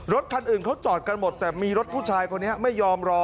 รถคันอื่นเขาจอดกันหมดแต่มีรถผู้ชายคนนี้ไม่ยอมรอ